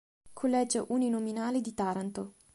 Collegio uninominale di Taranto